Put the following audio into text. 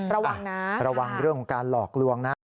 ระวังนะระวังเรื่องของการหลอกลวงนะ